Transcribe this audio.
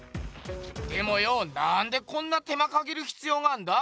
でもよなんでこんな手間かけるひつようがあんだ？